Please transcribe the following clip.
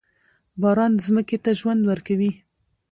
باران ځمکې ته ژوند ورکوي.